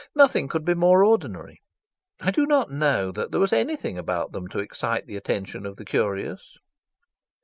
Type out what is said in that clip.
Nothing could be more ordinary. I do not know that there was anything about them to excite the attention of the curious.